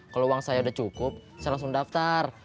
kalau uang saya udah cukup saya langsung daftar